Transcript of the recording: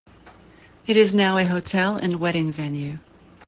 It is now a hotel and wedding venue.